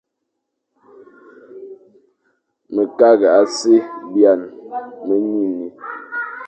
Me kagh a si byañ, me nyiñé,